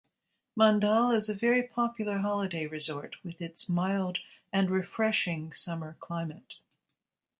Mandal is a very popular holiday resort, with its mild and refreshing summer climate.